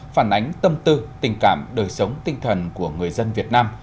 phản ánh tâm tư tình cảm đời sống tinh thần của người dân việt nam